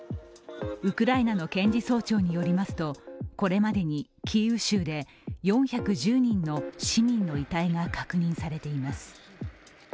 ウクライナの検事総長によりますとこれまでにキーウ州で４１０人の市民の遺体が確認されています。